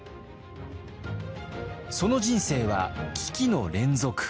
その人生は危機の連続。